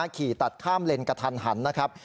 ขี่ตัดข้ามเลนกระทันหันนะครับ